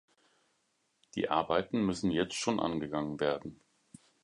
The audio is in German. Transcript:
Die Arbeiten müssen jetzt schon angegangen werden.